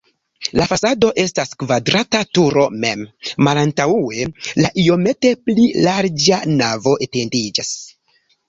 La fasado estas la kvadrata turo mem, malantaŭe la iomete pli larĝa navo etendiĝas.